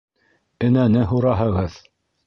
Энәне һураһығыҙ!